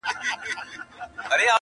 • پر باقي مځکه یا کښت وي یا غوبل وي -